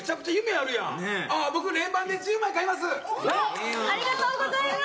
ありがとうございます。